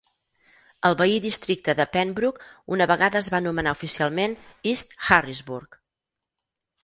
El veí districte de Penbrook, una vegada es va anomenar oficialment East Harrisburg.